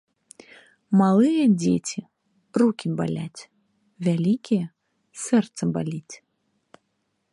Малыя дзеці – рукі баляць, вялікія – сэрца баліць